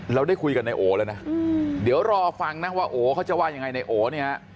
เราได้คุยกับนายโอแล้วนะเดี๋ยวรอฟังนะว่าโอ๋เขาจะว่ายังไงในโอเนี่ย